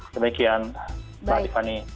demikian mbak tiffany